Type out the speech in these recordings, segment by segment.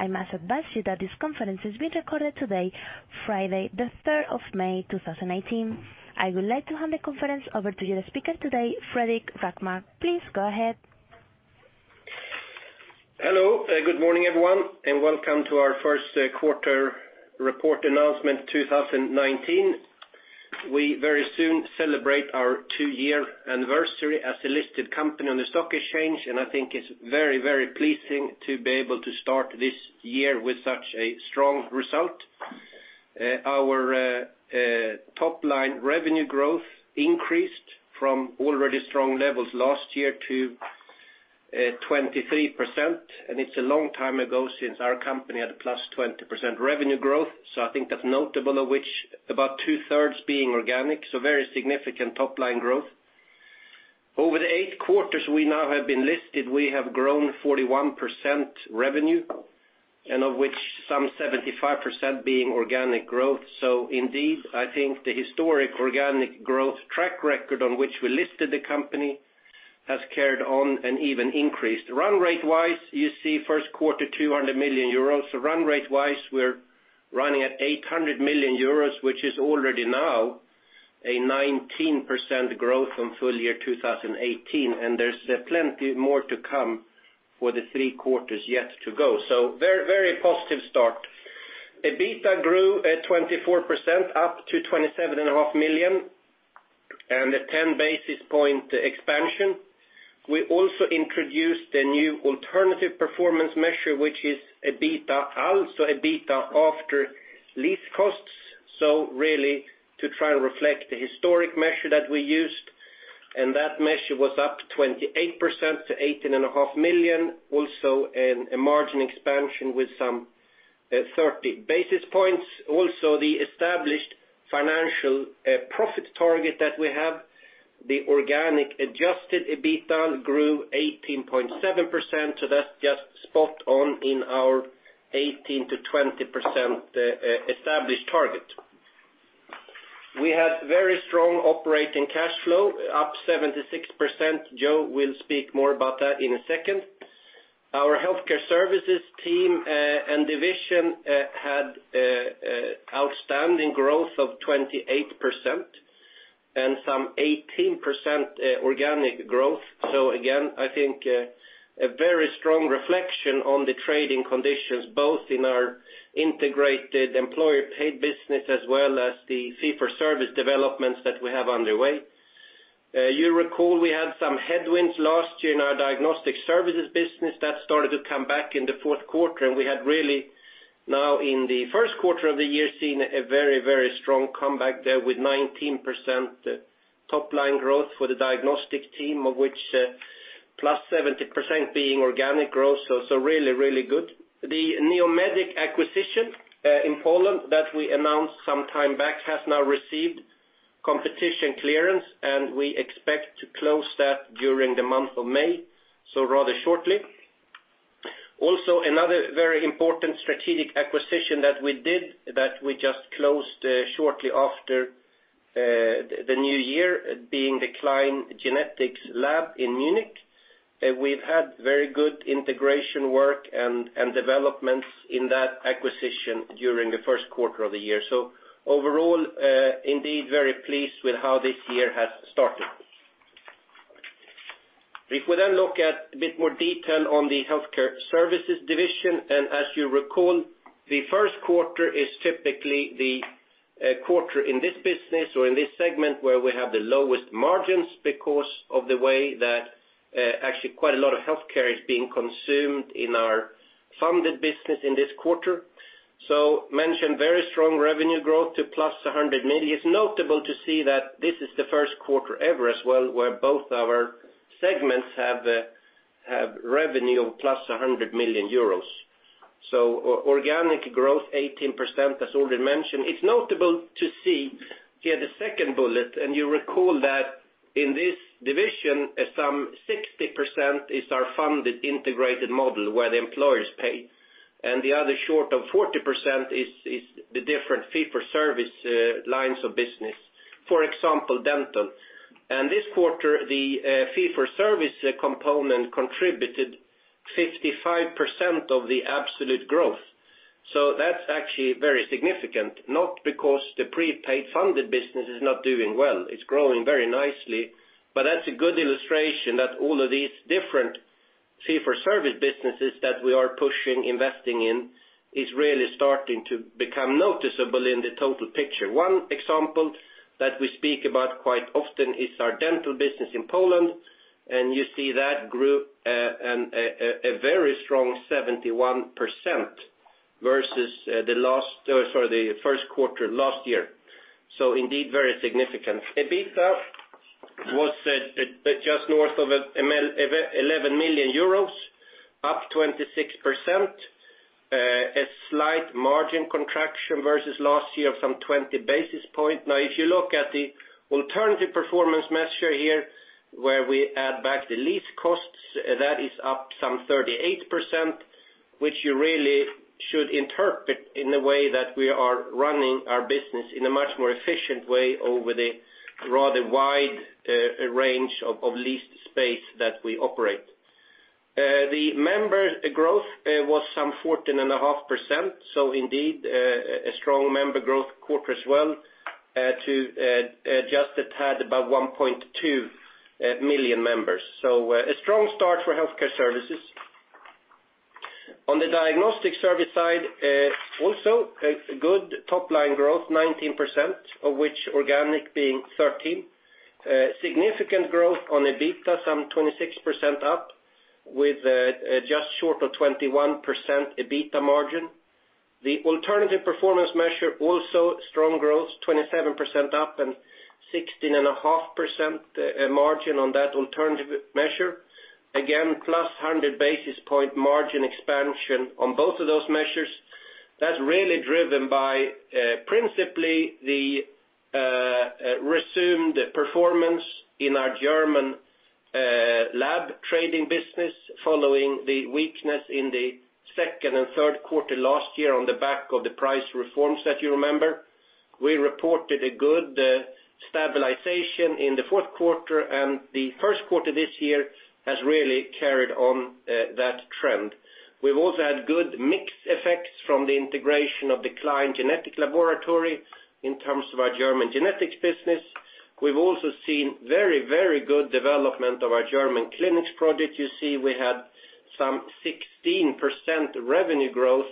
I must advise you that this conference is being recorded today, Friday the 3rd of May, 2019. I would like to hand the conference over to the speaker today, Fredrik Rågmark. Please go ahead. Hello. Good morning, everyone, welcome to our first quarter report announcement 2019. We very soon celebrate our two-year anniversary as a listed company on the stock exchange, I think it's very pleasing to be able to start this year with such a strong result. Our top-line revenue growth increased from already strong levels last year to 23%, it's a long time ago since our company had a plus 20% revenue growth. I think that's notable, of which about two-thirds being organic, very significant top-line growth. Over the eight quarters we now have been listed, we have grown 41% revenue, of which some 75% being organic growth. Indeed, I think the historic organic growth track record on which we listed the company has carried on and even increased. Run rate-wise, you see first quarter, 200 million euros. Run rate-wise, we're running at 800 million euros, which is already now a 19% growth from full year 2018, there's plenty more to come for the three quarters yet to go. Very positive start. EBITDA grew at 24%, up to 27.5 million, a 10-basis point expansion. We also introduced a new alternative performance measure, which is EBITDAaL, EBITDA after lease costs. Really to try and reflect the historic measure that we used, that measure was up 28% to 18.5 million. Also a margin expansion with some 30 basis points. Also, the established financial profit target that we have, the organic adjusted EBITDA grew 18.7%, that's just spot on in our 18%-20% established target. We had very strong operating cash flow, up 76%. Joe will speak more about that in a second. Our Healthcare Services team and division had outstanding growth of 28%, some 18% organic growth. Again, I think a very strong reflection on the trading conditions, both in our integrated employer-paid business as well as the fee-for-service developments that we have underway. You recall we had some headwinds last year in our Diagnostic Services business. That started to come back in the fourth quarter, we had really now in the first quarter of the year seen a very strong comeback there with 19% top-line growth for the diagnostic team, of which plus 70% being organic growth. Really good. The Neomedic acquisition in Poland that we announced some time back has now received competition clearance, we expect to close that during the month of May, rather shortly. Another very important strategic acquisition that we did, that we just closed shortly after the new year, being the Klein genetic lab in Munich. We've had very good integration work and developments in that acquisition during the first quarter of the year. Overall, indeed very pleased with how this year has started. If we then look at a bit more detail on the Healthcare Services division, as you recall, the first quarter is typically the quarter in this business or in this segment where we have the lowest margins because of the way that actually quite a lot of healthcare is being consumed in our funded business in this quarter. Mentioned very strong revenue growth to plus 100 million. It's notable to see that this is the first quarter ever as well, where both our segments have revenue of plus 100 million euros. Organic growth 18%, as already mentioned. It's notable to see here the second bullet, you recall that in this division, some 60% is our funded integrated model where the employers pay, and the other short of 40% is the different fee-for-service lines of business, for example, dental. This quarter, the fee-for-service component contributed 55% of the absolute growth. That's actually very significant. Not because the prepaid funded business is not doing well, it's growing very nicely, but that's a good illustration that all of these different fee-for-service businesses that we are pushing investing in is really starting to become noticeable in the total picture. One example that we speak about quite often is our dental business in Poland, you see that grew a very strong 71% versus the first quarter last year. Indeed very significant. EBITDA was just north of 11 million euros, up 26%, a slight margin contraction versus last year of some 20 basis points. If you look at the alternative performance measure here, where we add back the lease costs, that is up some 38%, which you really should interpret in the way that we are running our business in a much more efficient way over the rather wide range of leased space that we operate. The member growth was some 14.5%. Indeed, a strong member growth quarter as well to just a tad above 1.2 million members. A strong start for Healthcare Services. On the Diagnostic Services side, also a good top-line growth, 19%, of which organic being 13%. Significant growth on EBITDA, some 26% up with just short of 21% EBITDA margin. The alternative performance measure also strong growth, 27% up and 16.5% margin on that alternative measure. Plus 100 basis points margin expansion on both of those measures. That's really driven by principally the resumed performance in our German lab trading business following the weakness in the second and third quarter last year on the back of the price reforms that you remember. We reported a good stabilization in the fourth quarter, the first quarter this year has really carried on that trend. We've also had good mix effects from the integration of the Klein genetic laboratory in terms of our German genetics business. We've also seen very good development of our German clinics project. You see we had some 16% revenue growth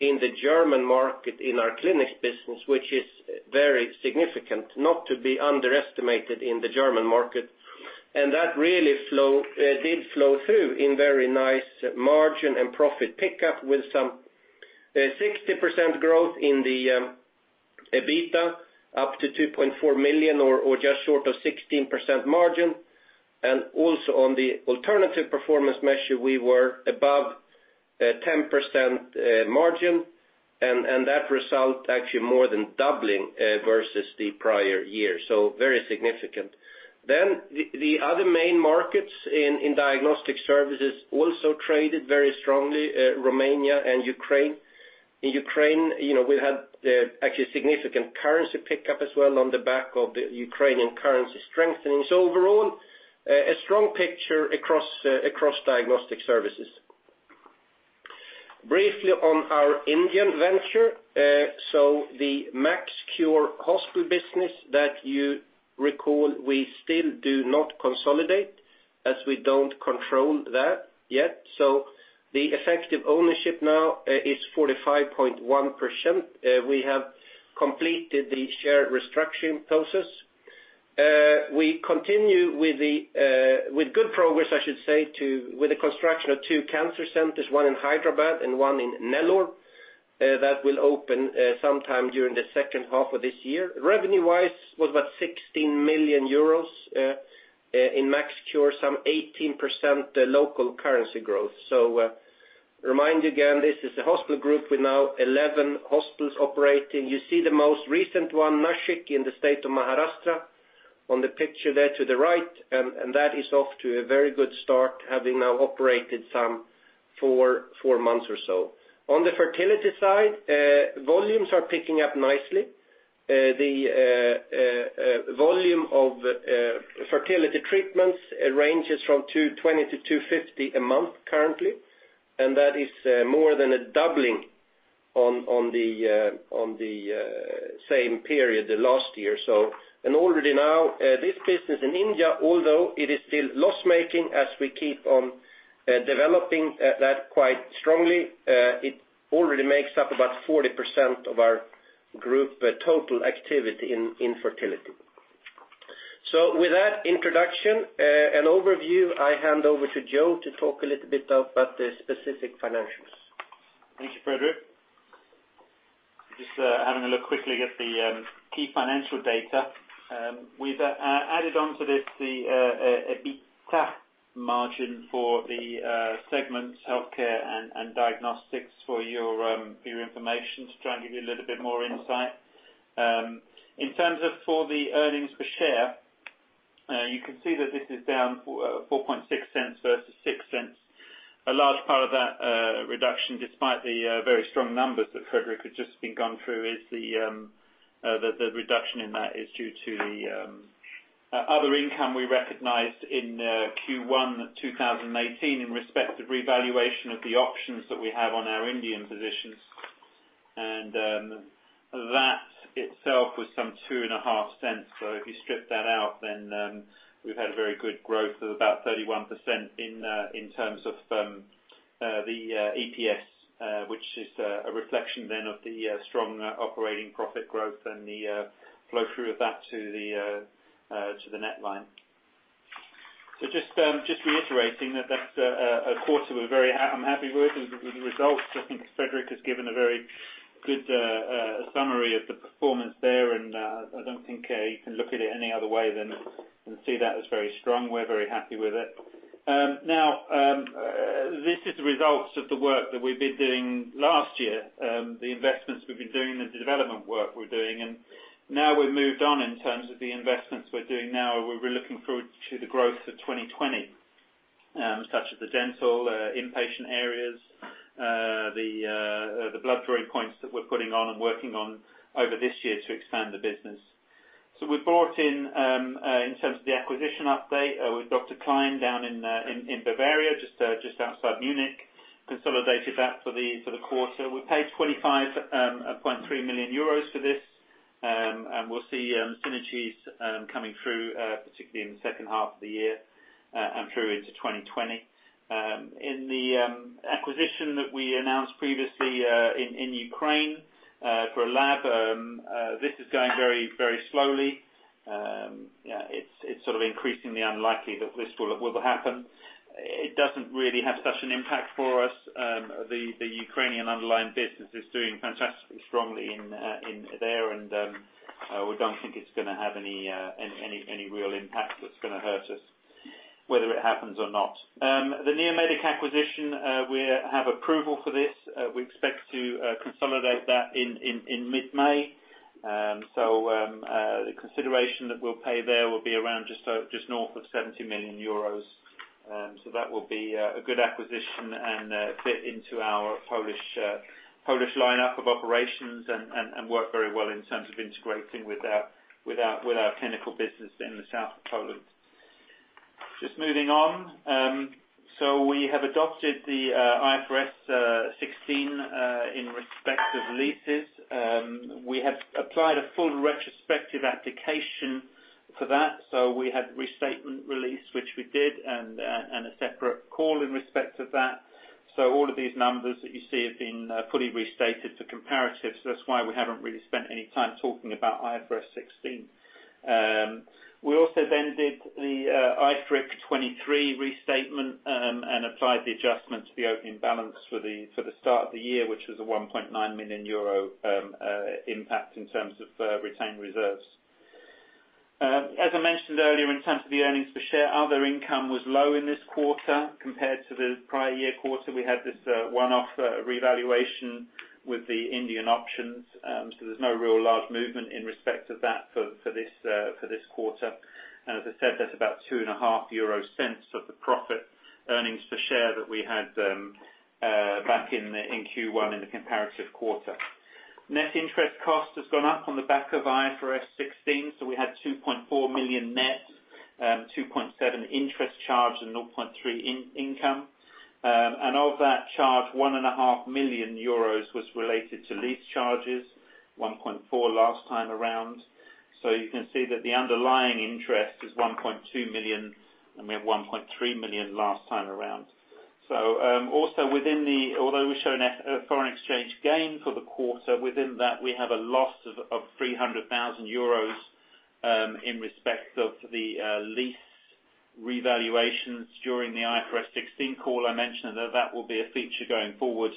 in the German market in our clinics business, which is very significant, not to be underestimated in the German market. That really did flow through in very nice margin and profit pickup with 60% growth in the EBITDA up to 2.4 million or just short of 16% margin. Also on the alternative performance measure, we were above 10% margin, and that result actually more than doubling versus the prior year. Very significant. The other main markets in Diagnostic Services also traded very strongly, Romania and Ukraine. In Ukraine, we had actually significant currency pickup as well on the back of the Ukrainian currency strengthening. Overall, a strong picture across Diagnostic Services. Briefly on our Indian venture. The MaxCure hospital business that you recall, we still do not consolidate as we don't control that yet. The effective ownership now is 45.1%. We have completed the share restructuring process. We continue with good progress, I should say, with the construction of two cancer centers, one in Hyderabad and one in Nellore, that will open sometime during the second half of this year. Revenue-wise, was about 16 million euros in MaxCure, 18% local currency growth. Remind you again, this is a hospital group with now 11 hospitals operating. You see the most recent one, Nashik, in the state of Maharashtra on the picture there to the right. That is off to a very good start, having now operated four months or so. On the fertility side, volumes are picking up nicely. The volume of fertility treatments ranges from 220-250 a month currently, and that is more than a doubling on the same period last year. Already now, this business in India, although it is still loss-making, as we keep on developing that quite strongly, it already makes up about 40% of our group total activity in fertility. With that introduction and overview, I hand over to Joe to talk a little bit about the specific financials. Thank you, Fredrik. Just having a look quickly at the key financial data. We've added onto this the EBITDA margin for the segments, Healthcare and Diagnostics for your information to try and give you a little bit more insight. In terms of for the earnings per share, you can see that this is down 0.046 versus 0.06. A large part of that reduction, despite the very strong numbers that Fredrik has just gone through, is due to the other income we recognized in Q1 2019 in respect of revaluation of the options that we have on our Indian positions. That itself was 0.025. If you strip that out, then we've had very good growth of about 31% in terms of the EPS, which is a reflection then of the strong operating profit growth and the flow through of that to the net line. Just reiterating that's a quarter I'm happy with the results. I think Fredrik Rågmark has given a very good summary of the performance there, and I don't think you can look at it any other way than see that as very strong. We're very happy with it. This is the results of the work that we've been doing last year, the investments we've been doing, the development work we're doing. Now we've moved on in terms of the investments we're doing now. We're looking forward to the growth of 2020, such as the dental, inpatient areas. The blood drawing points that we're putting on and working on over this year to expand the business. We brought in terms of the acquisition update, with Dr. Klein down in Bavaria, just outside Munich, consolidated that for the quarter. We paid 25.3 million euros for this, and we'll see synergies coming through, particularly in the second half of the year, and through into 2020. In the acquisition that we announced previously in Ukraine for a lab, this is going very slowly. It's increasingly unlikely that this will happen. It doesn't really have much an impact for us. The Ukrainian underlying business is doing fantastically strongly there, and we don't think it's going to have any real impact that's going to hurt us, whether it happens or not. The Neomedic acquisition, we have approval for this. We expect to consolidate that in mid-May. The consideration that we'll pay there will be around just north of 70 million euros. That will be a good acquisition and fit into our Polish lineup of operations and work very well in terms of integrating with our clinical business in the south of Poland. Just moving on. We have adopted the IFRS 16 in respect of leases. We have applied a full retrospective application for that, so we had restatement release, which we did, and a separate call in respect of that. All of these numbers that you see have been fully restated for comparatives. That's why we haven't really spent any time talking about IFRS 16. We also then did the IFRIC 23 restatement and applied the adjustment to the opening balance for the start of the year, which was a 1.9 million euro impact in terms of retained reserves. As I mentioned earlier, in terms of the earnings per share, other income was low in this quarter compared to the prior year quarter. We had this one-off revaluation with the Indian options. There's no real large movement in respect of that for this quarter. As I said, that's about 0.025 of the profit earnings per share that we had back in Q1 in the comparative quarter. Net interest cost has gone up on the back of IFRS 16. We had 2.4 million net, 2.7 million interest charge and 0.3 million in income. Of that charge, 1.5 million euros was related to lease charges, 1.4 million last time around. You can see that the underlying interest is 1.2 million, and we had 1.3 million last time around. Although we show a foreign exchange gain for the quarter, within that we have a loss of 300,000 euros in respect of the lease revaluations during the IFRS 16 call. I mentioned that that will be a feature going forward,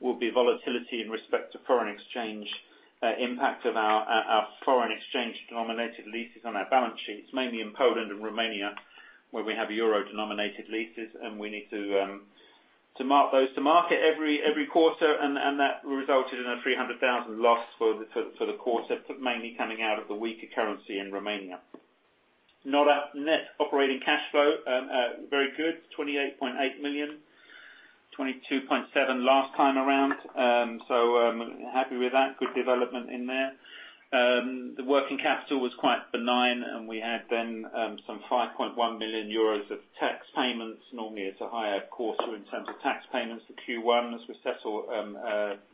will be volatility in respect to foreign exchange impact of our foreign exchange denominated leases on our balance sheets, mainly in Poland and Romania, where we have euro-denominated leases, and we need to mark those to market every quarter, and that resulted in a 300,000 loss for the quarter, mainly coming out of the weaker currency in Romania. Net operating cash flow, very good, 28.8 million, 22.7 million last time around. Happy with that. Good development in there. The working capital was quite benign, we had then some 5.1 million euros of tax payments. Normally it's a higher quarter in terms of tax payments, the Q1s, we settle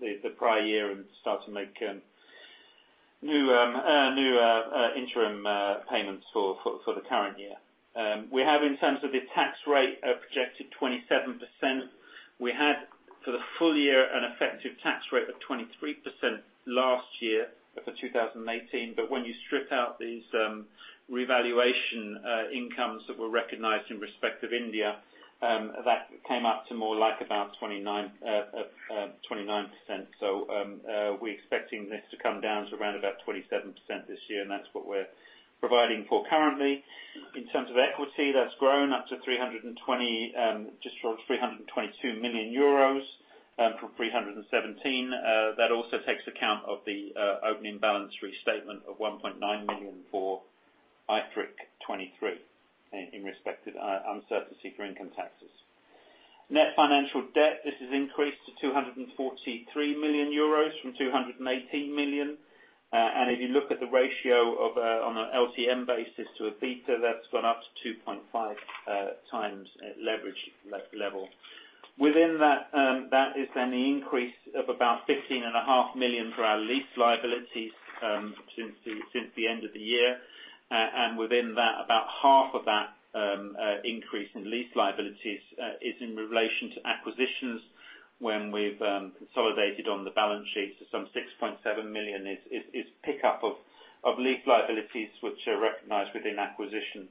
the prior year and start to make new interim payments for the current year. We have, in terms of the tax rate, a projected 27%. We had, for the full year, an effective tax rate of 23% last year for 2018. When you strip out these revaluation incomes that were recognized in respect of India, that came up to more like about 29%. We're expecting this to come down to around about 27% this year, and that's what we're providing for currently. In terms of equity, that's grown up to just short of 322 million euros from 317 million. That also takes account of the opening balance restatement of 1.9 million for IFRIC 23 in respect of uncertainty for income taxes. Net financial debt, this has increased to 243 million euros from 218 million. If you look at the ratio on an LTM basis to EBITDA, that's gone up to 2.5x leverage level. Within that is then the increase of about 15.5 million for our lease liabilities since the end of the year. Within that, about half of that increase in lease liabilities is in relation to acquisitions when we've consolidated on the balance sheet. Some 6.7 million is pickup of lease liabilities which are recognized within acquisitions.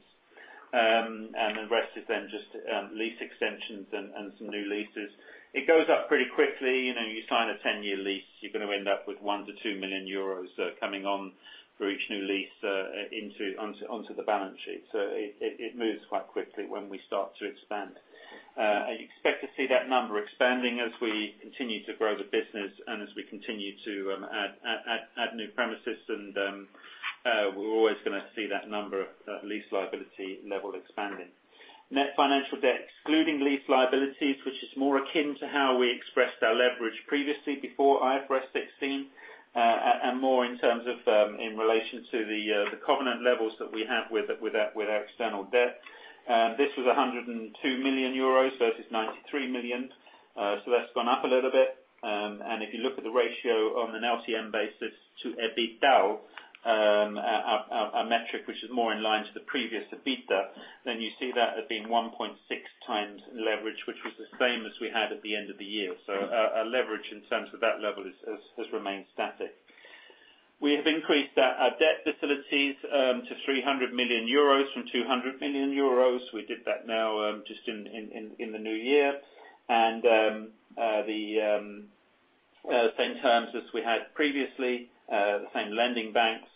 The rest is then just lease extensions and some new leases. It goes up pretty quickly. You sign a 10-year lease, you're going to end up with 1 million to 2 million euros coming on for each new lease onto the balance sheet. It moves quite quickly when we start to expand. You expect to see that number expanding as we continue to grow the business and as we continue to add new premises and we're always going to see that number of lease liability level expanding. Net financial debt, excluding lease liabilities, which is more akin to how we expressed our leverage previously before IFRS 16, and more in terms of in relation to the covenant levels that we have with our external debt. This was 102 million euros versus 93 million. That's gone up a little bit. If you look at the ratio on an LTM basis to EBITDA, a metric which is more in line to the previous EBITDA, you see that as being 1.6x leverage, which was the same as we had at the end of the year. Our leverage in terms of that level has remained static. We have increased our debt facilities to 300 million euros from 200 million euros. We did that now just in the new year. The same terms as we had previously, the same lending banks.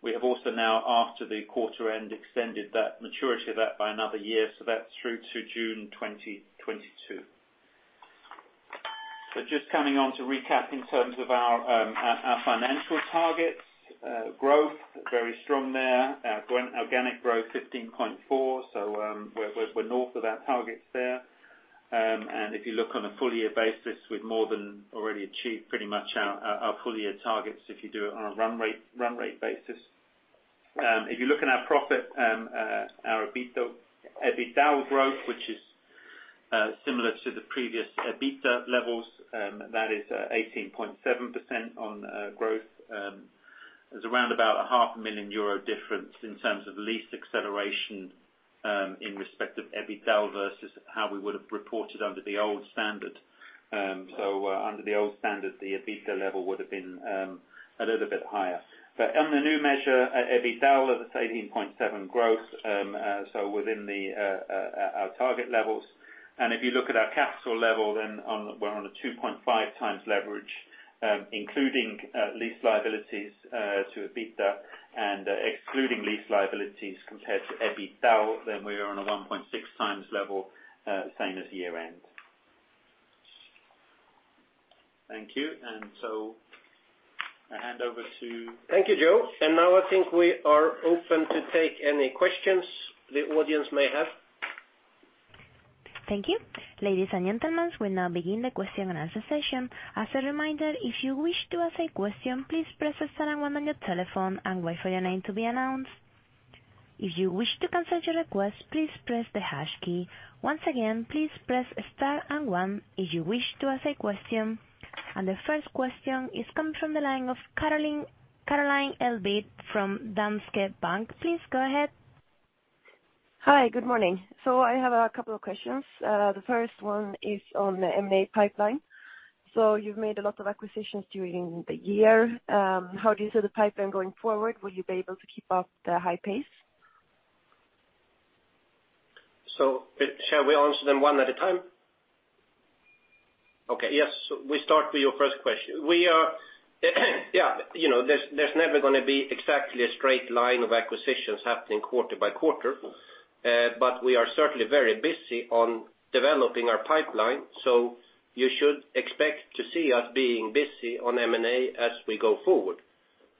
We have also now, after the quarter end, extended that maturity of that by another year, so that is through to June 2022. Just coming on to recap in terms of our financial targets. Growth, very strong there. Our organic growth, 15.4%. We are north of our targets there. If you look on a full year basis, we have more than already achieved pretty much our full year targets, if you do it on a run rate basis. If you look at our profit, our EBITDA growth, which is similar to the previous EBITDA levels, that is 18.7% on growth. There is around about 500,000 euro difference in terms of lease acceleration in respect of EBITDA versus how we would have reported under the old standard. Under the old standard, the EBITDA level would have been a little bit higher. On the new measure, EBITDA, that is 18.7% growth, so within our target levels. If you look at our capital level, we are on a 2.5x leverage, including lease liabilities to EBITDA. Excluding lease liabilities compared to EBITDA, we are on a 1.6x level, same as year-end. Thank you. I hand over to- Thank you, Joe. Now I think we are open to take any questions the audience may have. Thank you. Ladies and gentlemen, we'll now begin the question and answer session. As a reminder, if you wish to ask a question, please press star and one on your telephone and wait for your name to be announced. If you wish to cancel your request, please press the hash key. Once again, please press star and one if you wish to ask a question. The first question is coming from the line of Caroline Elg from Danske Bank. Please go ahead. Hi. Good morning. I have a couple of questions. The first one is on the M&A pipeline. You've made a lot of acquisitions during the year. How do you see the pipeline going forward? Will you be able to keep up the high pace? Shall we answer them one at a time? Okay. Yes. We start with your first question. There's never going to be exactly a straight line of acquisitions happening quarter by quarter. We are certainly very busy on developing our pipeline. You should expect to see us being busy on M&A as we go forward.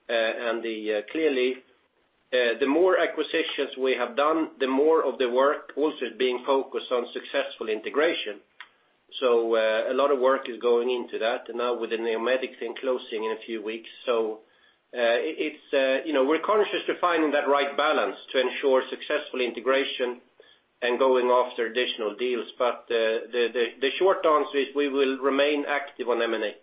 Clearly, the more acquisitions we have done, the more of the work also is being focused on successful integration. A lot of work is going into that. Now with the Neomedic thing closing in a few weeks. We're conscious to finding that right balance to ensure successful integration and going after additional deals. The short answer is we will remain active on M&A.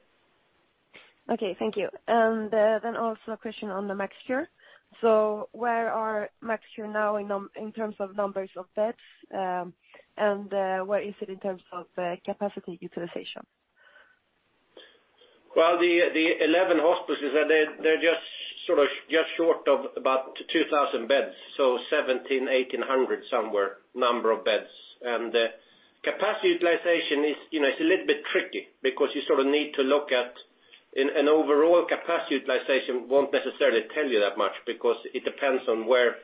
Okay, thank you. Then also a question on the MaxCure. Where are MaxCure now in terms of numbers of beds? Where is it in terms of capacity utilization? Well, the 11 hospices, they're just short of about 2,000 beds, so 1,700, 1,800 somewhere, number of beds. Capacity utilization is a little bit tricky because you sort of need to look at an overall capacity utilization won't necessarily tell you that much because it depends on where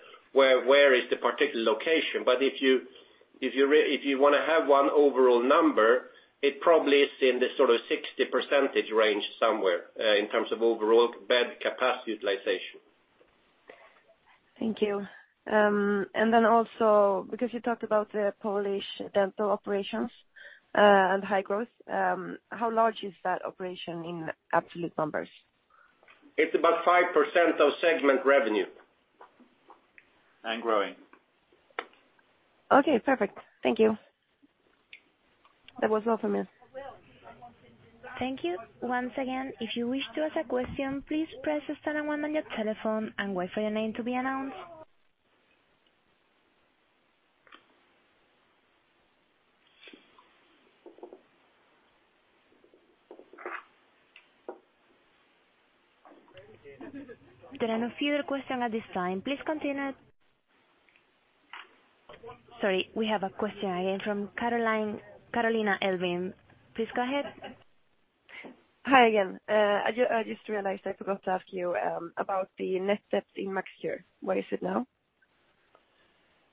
is the particular location. But if you want to have one overall number, it probably is in the sort of 60% range somewhere, in terms of overall bed capacity utilization. Thank you. Also because you talked about the Polish dental operations, and high growth, how large is that operation in absolute numbers? It's about 5% of segment revenue. Growing. Okay, perfect. Thank you. That was all from me. Thank you. Once again, if you wish to ask a question, please press star and one on your telephone and wait for your name to be announced. There are no further questions at this time. Please continue Sorry, we have a question again from Caroline Elg. Please go ahead. Hi again. I just realized I forgot to ask you about the net debt in MaxCure. Where is it now?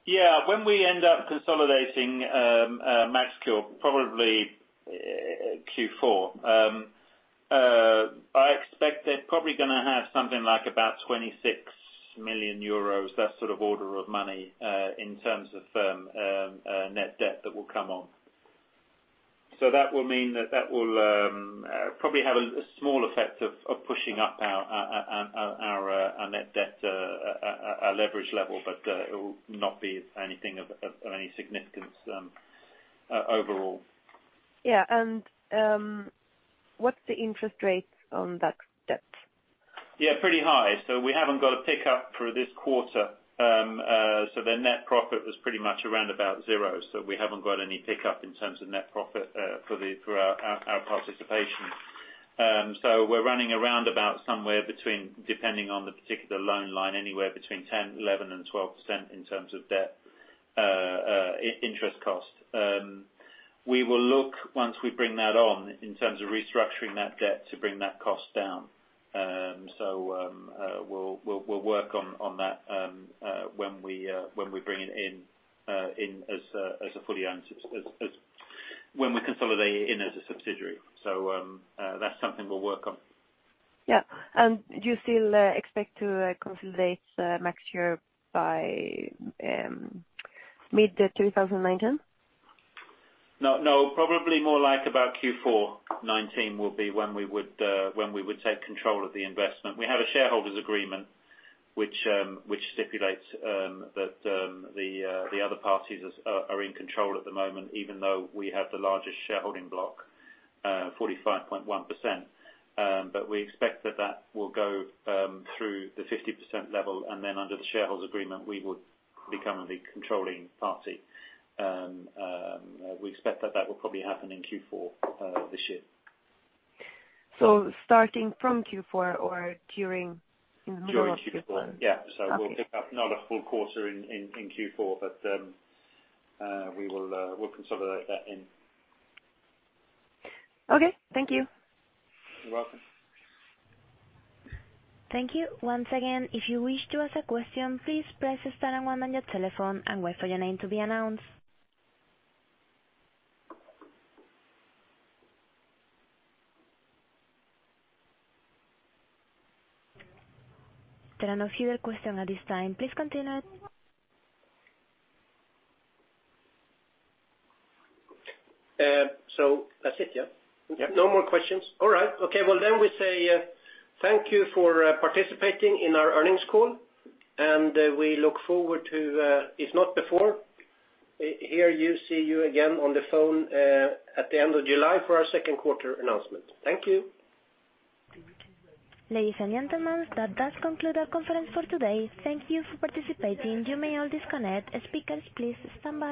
Yeah. When we end up consolidating MaxCure, Probably going to have something like about 26 million euros, that sort of order of money, in terms of net debt that will come on. That will mean that will probably have a small effect of pushing up our net debt, our leverage level, but it will not be anything of any significance overall. Yeah. What's the interest rate on that debt? Yeah, pretty high. We haven't got a pick-up for this quarter. Their net profit was pretty much around about zero. We haven't got any pick-up in terms of net profit for our participation. We're running around about somewhere between, depending on the particular loan line, anywhere between 10%, 11% and 12% in terms of debt interest cost. We will look, once we bring that on, in terms of restructuring that debt to bring that cost down. We'll work on that when we consolidate it in as a subsidiary. That's something we'll work on. Yeah. Do you still expect to consolidate next year by mid 2019? No, probably more like about Q4 2019 will be when we would take control of the investment. We have a shareholders agreement which stipulates that the other parties are in control at the moment, even though we have the largest shareholding block, 45.1%. We expect that will go through the 50% level, and then under the shareholders agreement, we would become the controlling party. We expect that will probably happen in Q4 this year. starting from Q4 or during? During Q4, yeah. We'll pick up not a full quarter in Q4, but we'll consolidate that in. Okay. Thank you. You're welcome. Thank you. Once again, if you wish to ask a question, please press star and one on your telephone and wait for your name to be announced. There are no further questions at this time. Please continue. That's it, yeah? Yeah. No more questions? All right. Okay. Well, we say, thank you for participating in our earnings call, and we look forward to, if not before, hear you, see you again on the phone at the end of July for our second quarter announcement. Thank you. Ladies and gentlemen, that does conclude our conference for today. Thank you for participating. You may all disconnect. Speakers, please stand by.